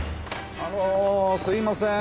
あのすみません。